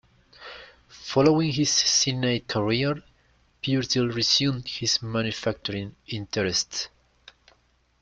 Following his Senate career, Purtell resumed his manufacturing interests.